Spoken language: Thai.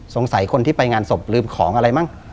คนที่ไปงานศพลืมของอะไรมั้ง